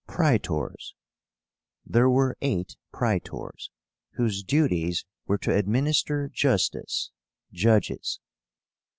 PRAETORS. There were eight Praetors, whose duties were to administer justice (judges).